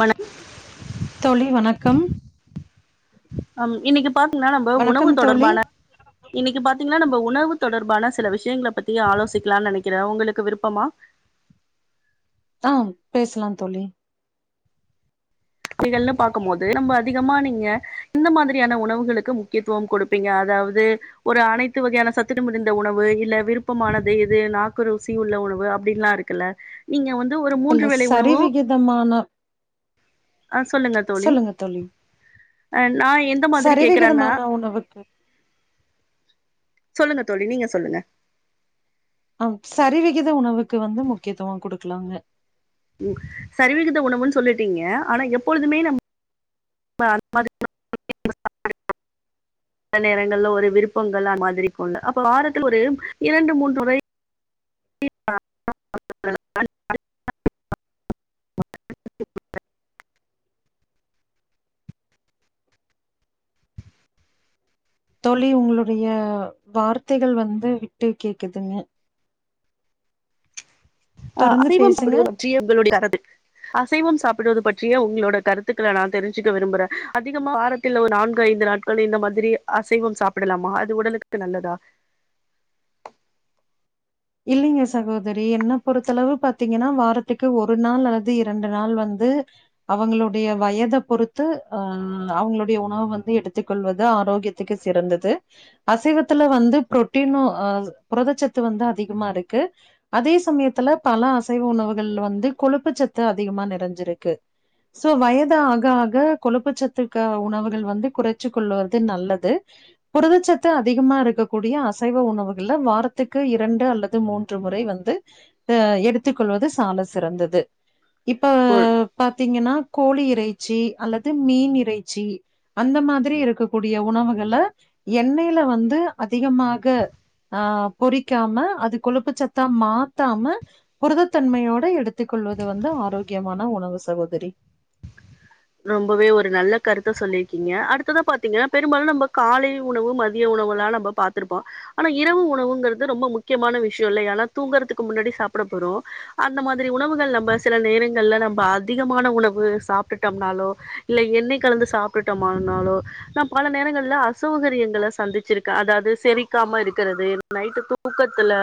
வண தோளி வணக்கம் அம் இன்னிக்கு பாத்தீங்கன்னா நம்ம உணவு வணக்கம் தோழி தொடர்பான இன்னைக்கு பாத் த்தீங்கன்னா நம்ப உணவு தொடர்பான சில விஷயங்கள பத்தி ஆலோசிக்கலானு நனைக்கற உங்களுக்கு விருப்பமா ஹ பேசலாம் தோழி இதெல்லாம் பாக்க மோது நம்ம அதிகமா நீங்க இந்த மாதிரியான உணவுகளுக்கு முக்கியத்துவம் குடுப்பீங்க அதாவது ஒரு அனைத்து வகையான சத்துட்டு முதிந்த உணவு இல்ல விருப்பமானது இது நாக்குறு ஊசி உள்ள உணவு அப்படின்னுல்லாம் இருக்குல்ல நீங்க வந்து ஒரு இல்ல மூன்று வேளை உணவு சரிவிகிதமான ஆஹ் சொல்லுங்க தோளி சொல்லுங்க தோழி அஹ் நான் எந்த மாதிரி கேக்குறேன்னா சரிவிகிதமான உணவுக்கு சொல்லுங்க தோளி நீங்க சொல்லுங்க ஆஹ் சரிவிகித உணவுக்கு வந்து முக்கியத்துவொ குடுக்கலாங்க ம் சரிவிகித உணவுன்னு சொல்லிடிங்க ஆனா எப்பொழுதுமே நம் [unintelligible] பல நேரங்கள்ல ஒரு விருப்பங்கள் மாதிரிக்கும்ல அப்ப வாரத்து ஒரு இரண்டு மூன்றுமுறை [unintelligible] தோளி உங்ளுடைய வார்த்தைகள் வந்து விட்டு கேக்குதுங்க தொடர்ந்து [unintelligible] பேசுங்க பிடுவது பற்றிய உங்களோட கருத்துக்கள நான் தெரிஞ்சுக்க விரும்புறேன் அதிகமா வாரத்துல ஒரு நான்கு ஐந்து நாட்கள் இந்த மாதிரி அசைவம் சாப்பிடலாமா அது உடலுக்கு நல்லதா இல்லைங்க சகோதரி என்ன பொறுத்தளவு பாத்தீங்கன்னா வாரத்துக்கு ஒரு நாள் அல்லது இரண்டு நாள் வந்து அவங்களுடைய வயதை பொறுத்து அஹ் அவங்களுடைய உணவு வந்து எடுத்துக் கொள்வது ஆரோக்கியத்துக்கு சிறந்தது அசைவத்துல வந்து புரோட்டீனஹ் புரதச்சத்து வந்து அதி [unintelligible] இருக்கு அதே சமயத்துல பல அசைவ உணவுகள் வந்து கொழுப்புச்சத்து அதிகமா நிறைஞ்சிருக்கு சோ வயது ஆக ஆக கொழுப்புச்சத்து க உணவுகள் வந்து குறைச்சு கொள்வது நல்லது புருதுச்சத்து அதிகமா இருக்கக்கூடிய அசைவ உணவுகள்ல வாரத்துக்கு இரண்டு அல் தூ மூன்று முறை வந்து ஹ எடுத்க் கொள்வது சால சிறந்தது இப்போ ஒரு பாத்தீங்கன்னா கோழி இறைச்சி அல்லது மீன் இறைச்சி அந்த மாதிரி இருக்கக்கூடிய உணவுகள எண்ணெய்யில வந்து அதிகமாக ஆஹ் பொறிக்காம அது கொழுப்பு சத்தா மாத்தாம புருதத்தன்மையோட எடுத்துக் கொள்வது வந்து ஆரோக்கியமான உணவு சகோதரி ரொம்பவே ஒரு நல்ல கருத்தை சொல்லியிருக்கீங்க அடுத்ததான் பா்த்தீங்கன்னா பெரும்பாலும் நம்ம காலை உணவு மதிய உணவு லாம் நம்ம பாத்ருப்போம் ஆனா இரவு உணவுங்கிறது ரொம்ப முக்கியமான விஷயம் இல்லை ஏன்னா தூங்குறதுக்கு முன்னாடி சாப்பிட போறோம் அந்த மாரி உணவுகள் நம்ம சில நேரங்கள்ல நம்ம அதிகமான உணவு சாப்பிட்டு ட்டம் நாளோ இல்ல எண்ணெய் கலந்து சாப்டுட்டோம் ஆனாலோ நான் பல நேரங்களல அசௌகரியங்கள சந்திச்சிருக்கேன் அதாவது செரிக்காம இருக்கிறது நைட்டு தூக்கத்துல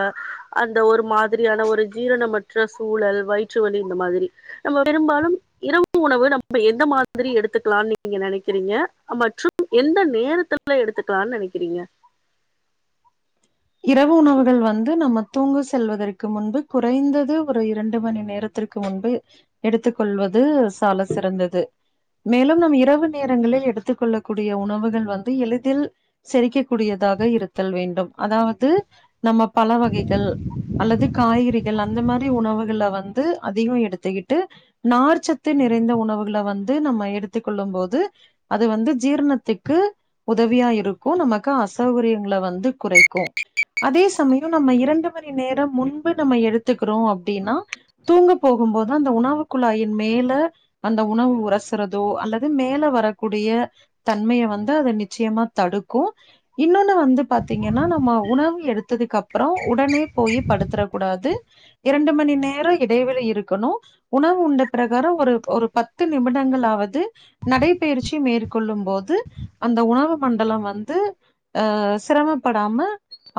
அந்த ஒரு மாதிரியான ஒரு ஜீரணமற்ற சூழல் வயிற்று வலி இந்த மாதிரி நம்ம பெரும்பாலும் இரவு உணவு நம்ம இந்த மாதிரி எடுத்துக்கலாம்னு நீங்க நினைக்கிறீங்க மற்றும் எந்த நேரத்துல எடுத்துக்கலானு நினைக்கிறீங்க இரவு உணவுகள் வந்து நம்ம தூங்க செல்வதற்கு முன்பு குறைந்தது ஒரு இரண்டு மணி நேரத்திற்கு முன்பு எடுத்துக்கொள்வது சால சிறந்தது மேலும் நம் இரவு நேரங்களில் எடுத்துக்க கொள்ளக்கூடிய உணவுகள் வந்து எளிதில் செரிக்கக்கூடியதாக இருத்தல் வேண்டும் அதாவது நம்ம பழ வகைகள் அல்லது காய்கறிகள் அந்த மாரி உணவுகள வந் ந்து அதிகோ எடுத்துக்கிட்டு நார்ச்சத்து நிறைந்த உணவுகள வந்து நம்ம எடுத்துக் கொள்ளும் போது அது வந்து ஜீரணத்துக்கு உதவியா இருக்கும் நமக்கு அசௌகரியங்கள வந்து குறைக் க்கு அதே சமயோ நம்ம இரண்டு மணி நேரம் முன்பு நம்ம எடுத்துக்கிறோ அப்டின்னா தூங்கப் போகும்போது அந்த உணவுக் குழாயின் மேல அந்த உணவு உரசுறதோ அல்லது மேல வரக்கூடிய தன்மைய வந்து அதை நிச்சயமா தடுக்கு இன்னொன்னு வந்து பாத்தீங்க ன்ன நம்ம உணவு எடுத்ததுக்கு அப்றோ உடனே போய் படுத்தறக் கூடாது இரண்டு மணி நேரோ இடைவெளி இருக்கணு உணவு உண்ட பிரகாரம் ஒரு ஒரு பத்து நிமிடங்களாவது நடைப்பயிற்சி மேற்கொள்ளும் போது அந்த உணவு மண்டலம் வந்து அஹ் சிரம படாம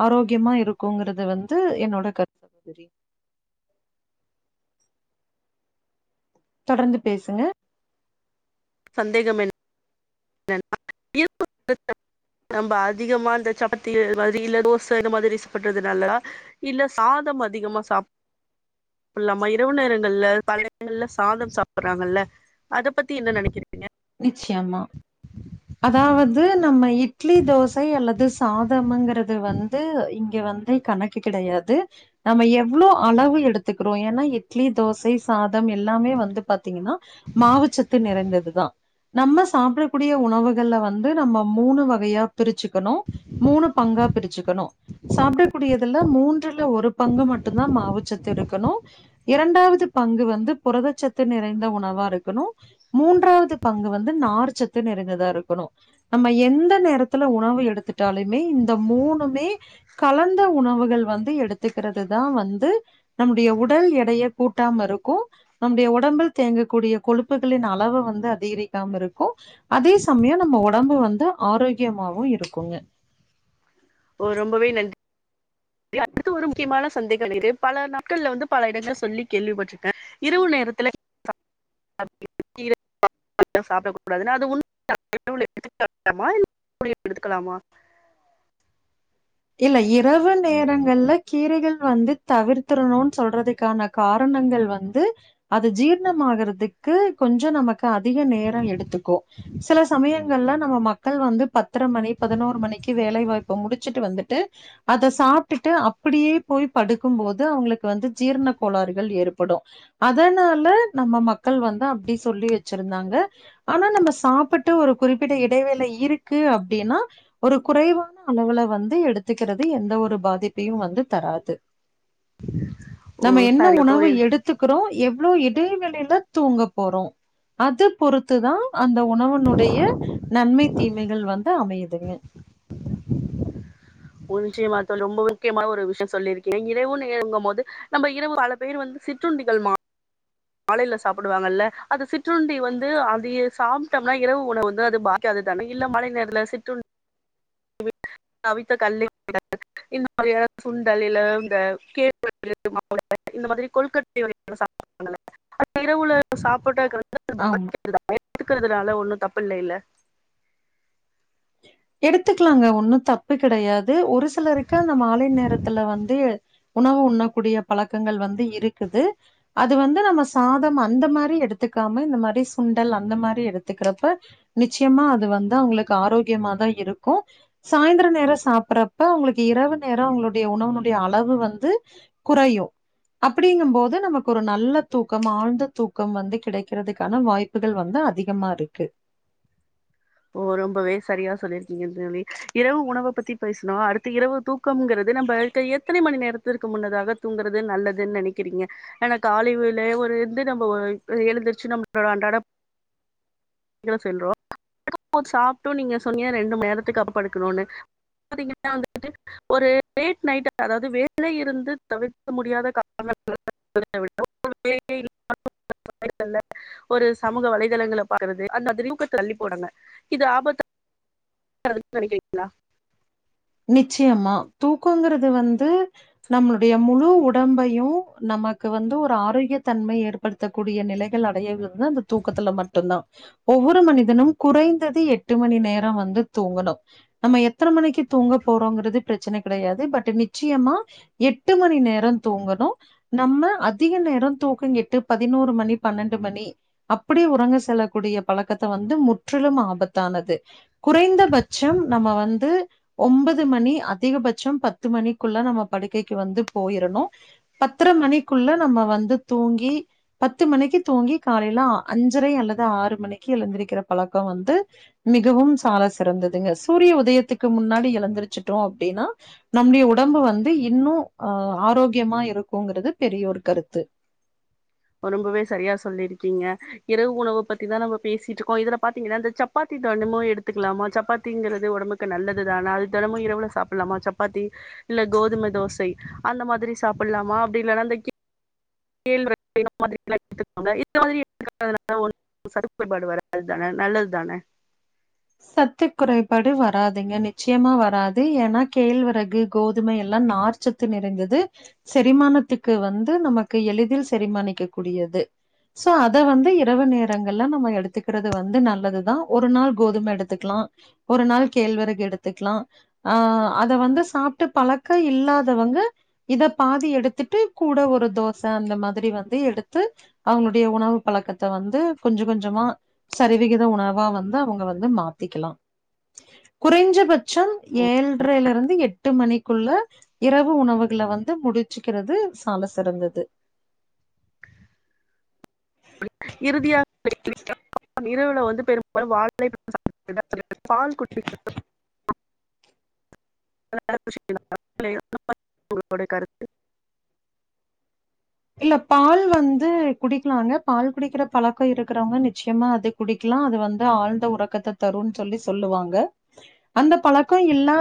ஆரோக்கியமா இருக்குங்கறது வந்து என்னோட கருத்து [unintelligible] தொடர்ந்து பேசுங்க சந்தேகம் என் [inaudible] நம்ப அதிகமா இந்த சப்பாத்தி [inaudible] தோசை இது மாதிரி சாப்புடறது நல்லதா இல்ல சாதம் அதிகமா சாப் பல்லாமா இரவு நேரங்கள்ல பல எடங்கள்ல சாதம் சாப்டறாங்கல்ல அத பத்தி என்ன நெனைக்கிற நிச்சயமா அதாவது நம்ம இட்லி தோசை அல்லது சாதம்ங்கிற [unintelligible] வந்து இன் இங்க வந்து கணக்கு கெடையாது நம்ம எவ்ளோ அளவு எடுத்துக்கிறோ ஏன்னா இட்லி தோசை சாதம் எல்லாமே வந்து பாத்தீங்கன்னா மாவுச்சத்து நிறைந்ததுதா நம்ம சாப்டக்கூடிய உணவுகள்ல வந்து நம்ம மூணு வகையா பிரிச்சுக்கணு மூணு பங்கா பிரிச்சுக்கணு சாப்டக்கூடியதுல மூன்றுல ஒரு பங்கு மட்டும்தா மாவுச்சத்து இருக்கணு இரண்டாவது பங்கு வந்து புரதச்சத்து நிறைந்த உணவா இருக்கணு மூன்றாவது பங்கு வந்து நார்ச்சத்து நிறைந்ததா இருக்கணு நம்ம எந்த நேரத்துல உணவு எடுத்துட்டாலுமே இந்த மூணுமே கலந்த உணவுகள் வந்து எடுத்துக்கிறதுதா வந்து நம்முடைய உடல் எடைய கூட்டாம இருக்கு நம்முடைய உடம்பில் தேங்கக்கூடிய கொழுப்புகளின் அளவ வந்து அத் அதிகரிக்காம இருக்கு அதே சமயோ நம்ம ஒடம்பு வந்து ஆரோக்கியமாவு இருக்குங்க ஓ ரொம்பவே நன்றி அடுத்து ஒரு முக்கியமான சந்தேகோ இருக்கு பல நாட்கள்ல வந்து பல இடங்கள சொல்லி கேள்விப்பட்டிருக்கே இரவு நேரத்துல [inaudible] சாப்பிட கூடாதுன்னு அது [inaudible] எடுத்துக்கலாமா இல்ல இரவு நேரங்கள்ல கீரைகள் வந்து தவிர்த்திரணுன்னு சொல்றதுக்கான காரணங்கள் வந்து அது ஜீர்ணமாகிறதுக்கு கொஞ்ச நமக் க்கு அதிக நேரோ எடுத்துக்கு சில சமய ல நம்ம மக்கள் வந்து பத்தரை மணி பதினோரு மணிக்கு வேலைவாய்ப்பு முடிச்சுட்டு வந்துட் ட்டு அத சாப்ட்டுட்டு அப்டியே போய் படுக்கும்போது அவங்களுக்கு வந்து ஜீரண கோளாறுகள் ஏற்படு அதனால நம்ம மக்கள் வந்து அப்டி சொல்லி வச்சிருந்தாங்க ஆனா நம்ம சாப்பிட்டு ஒரு குறிப்பிட்ட இடைவேளை இருக்கு அப்டின்னா ஒரு குறைவான அளவுல வந்து எடுத்து த்துக்கிறது எந்த ஒரு பாதிப்பையு வந்து தராது ஓ நம்ம என்ன சரி உணவு தோழி எடுத்துக்கிறோ எவ் இவ்ளோ இடைவெளியில தூங்க போறோம் அது பொறுத்துதா அந்த உணவனுடைய நன்மை தீமைகள் வந்து அமையுதுங்க [unintelligible] தோழி ரொம்ப முக்கியமான ஒரு விஷயோ சொல்லிருக்கீங்க இரவு நேரங்கும்போது நம்ம இரவு பல பேர் வந்து சிற்றுண்டிகள் மா மாலையில சாப்பிடுவாங்கல்ல அது சிற்றுண்டி வந்து அதய சாப்ட்டோம்னா இரவு உணவ வந்து அது பாதிக்காது தான இல்ல மாலை நேரத்துல சிற்றுண் [inaudible] அவித்த [inaudible] சுண்டல் இல்ல இந்த [inaudible] இந்த மாதிரி [inaudible] இரவுல சாப்படங் ஆமா. [inaudible] ட்டுக்கறதுனால ஒன்னும் தப்பு இல்ல இல்ல எடுத்துக்கலாங்க ஒன்னும் தப்பு கிடையாத் து ஒரு சிலருக்கு அந்த மாலை நேரத்துல வந்து உணவு உண்ணக்கூடிய பழக்கங்கள் வந்து இருக்குது அது வந்து நம்ம சாதம் அந்த மாரி எடுத்துக்காம இந்த மாரி சுண்டல் அந்த மாரி எடுத்துக்கிறப்ப நிச்சயமா அது வந்து அவங்களுக்கு ஆரோக் முக்கியமாதா இருக்கு சாயந்திர நேரோ சாப்பட்றப்ப உங்களுக்கு இரவு நேரோ உங்களுடைய உணவினுடைய அளவு வந்து குறையும் அப்டிங்கும்போது நமக்கு ஒரு நல்ல தூக்கம் ஆழ்ந்த தூக்கம் வந்து கிடைக்கிறதுக்கான வாய்ப்புகள் வந்து அதிகமா இருக்கு ஓ ரொம்பவே சரியா சொல்லிருக்கீங்க தோழி இரவு உணவ பத்தி பேசுணோ அடுத்து இரவு தூக் க்கம்ங்கிறது நம்ப [unintelligible] எத்தினி மணி நேரத் க்கிறதற்கு முன்னதாக தூங்குறது நல்லதுன்னு நெனைக்கிறீங்க ஆனா காலைல ஒரு இருந்து நம்ம எழுந்தருச்சு நம்மளோட அன்றாட [unintelligible] [inaudible] சாப்ட்டு நீங்க சொன்னீங்க ரெண்டு மணி நேரத்துக்கு அப்றோ படுக்கணுன்னு [inaudible] ஒரு லேட் நைட் அதாவது வேல இருந்து தவிர்க்க முடியாத [inaudible] ஒரு சமூக வலைதளங்கள பாக்றது அந்த [inaudible] தள்ளிப் போடுங்க இது ஆபத் [inaudible] நிச்சயமா தூக்கங்கிறது வந்து நம்மளுடைய முழு உடம்பையும் நமக்கு வந்து ஒரு ஆரோக்கியத்தன்மை ஏற்படுத்தக்கூடிய நிலைகள் அடையறது அந்த தூக்கத்துல மட்டும்தா ஒவ்வொரு மனிதனும் குறைந்தது எட்டு மணி நேரம் வந்து தூங்கணு நம்ம எத்தனை மணிக்கு தூங்க போறோங்கிறது பிரச்சன கிடையாது பட் நிச்சயமா எட்டு மணி நேரோ தூங்கணு நம்ம அதிக நேரோ தூக்கங் கெட்டு பதினோரு மணி பன்னெண்டு மணி அப்டி உறங்க செல்லக்கூடிய பழக்கத்த வந்து முற்றிலும் ஆபத்தானது குறைந்தபட்சம் நம்ம வந்து ஒம்பது மணி அதிகபட்சம் பத்து மணிக்குள்ள நம்ம படுக்கைக்கு வந்து போயிரணு பத்தரை மணிக்குள்ள நம்ம வந்து தூங்கி பத்து மணிக்கு தூங்கி காலைல அஞ்சரை அல்லது ஆறு மணிக்கு எழுந்திருக்கிற பழக்கம் வந்து மிகவும் சால சிறந்ததுங்க சூரிய உதயத்துக்கு முன்னாடி எழுந்திரச்சுட்டோ அப்டின்னா நம்முடைய உடம்பு வந்து இன்னும் அஹ் ஆரோக்கியமா இருக்குங்கிறது பெரிய ஒரு கருத்து ரொம்பவே சரியா சொல்லிருக்கீங்க இரவு உணவ பத்திதா நம்ம பேசிட்ருக்கோ இதுல பாத்தீங்கன்னா இந்த சப்பாத்தி தெனமு எடுத்துக்கலாமா சப்பாத்திங்கிறது உடம்புக்கு நல்லதுதான அது தெனமு இரவுல சாப்டலாமா சப்பாத்தி இல்ல கோதும தோசை அந்த மாதிரி சாப்டலாமா அப்டி இல்லன்னா இந்த கீ [inaudible] குறைபாடு வராதுதான நல்லதுதான சத்து குறைபாடு வராதுங்க நிச்சயமா வராது ஏன்னா கேழ்வரகு கோதுமை எல்லாம் நார்ச்சத்து நிறைந்தது செரிமானத்துக்கு வந்து நமக்கு எளிதில் செரிமானிக்க கூடியது சோ அத வந்து இரவு நேரங்கள்ல நம்ம எடுத்துக்கிறது வந்து நல்லதுதா ஒரு நாள் கோதுமை எடுத் எடுத்துக்கலா ஒரு நாள் கேழ்வறகு எடுத்துக்கலா ஆஹ் அத வந்து சாப்டு பழக்கோயில்லாதவங்க இத பாதி எடுத்துட்டு கூட ஒரு தோச அந்த மாதிரி வந்து எடுத்து அவங்களுடைய உணவு பழக்கத்த வந்து கொஞ்சோ கொஞ்சமா சரிவிகத உணவா வந்து அவங்க வந்து மா எடுத்துக்கலா குறைஞ்ச பச் சோ ஏல்ரையிலயிருந்து எட்டு மணிக்குள்ள இரவு உணவுகள வந்து முடிச்சுக்குறது சால சிறந்தது இறுதியாக [unintelligible] இரவுல வந்து பெரும்பாலோ [unintelligible] இல்ல பால் வந்து குடிக்கலாங்க பால் குடிக்கிற பழக்கோ இருக்குறவங்க நிச்சயமா அத குடிக்கலா அது வந்து ஆழ்ந்த உறக்கத்த தரும்னு சொல்லி சொல்லுவாங்க அந்த பழக்கோ இல்லா